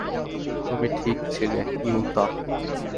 তুমি ঠিক ছিলে, ইউতা।